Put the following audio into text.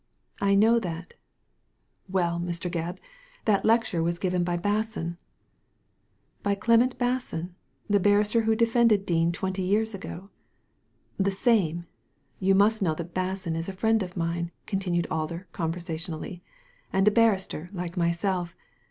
"I know that" "Well, Mr. Gebb, that lecture was given by Basson !"" By Clement Basson, the barrister, who defended Dean twenty years ago ?" "The samel You must know that Basson is a friend of mine," continued Alder, conversationally, "and a barrister, like myself.